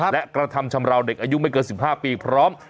และกระทำชำราวเด็กอายุไม่เกิน๑๕ปีพร้อม